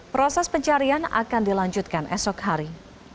proses pencarian akan dilanjutkan esok hari